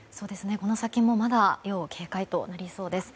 この先もまだ要警戒となりそうです。